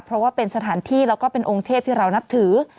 เพราะว่าเป็นสถานที่แล้วก็เป็นองค์เทพที่เรานับถือ